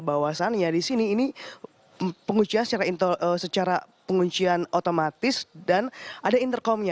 bahwasannya di sini ini penguncian secara penguncian otomatis dan ada intercomnya